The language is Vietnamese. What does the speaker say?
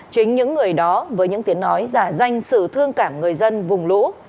chính những người đó với những tiếng nói giả danh sự thương cảm người dân vùng lũ